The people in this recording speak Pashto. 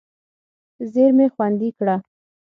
زېرمې خوندي کړه.